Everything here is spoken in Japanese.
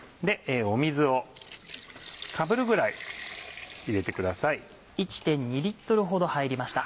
水をかぶるぐらい入れてください。